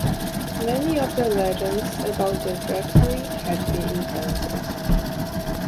Many of the legends about the rectory had been invented.